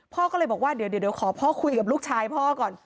พ่อก็เลยบอกว่าเดี๋ยวขอพ่อคุยกับลูกชายพ่อก่อน